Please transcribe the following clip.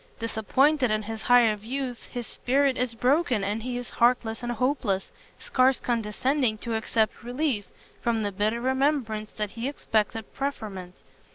Disappointed in his higher views, his spirit is broken, and he is heartless and hopeless, scarce condescending to accept relief, from the bitter remembrance that he expected preferment.